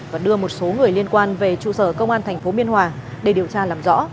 và đưa một số người liên quan về trụ sở công an tp biên hòa để điều tra làm rõ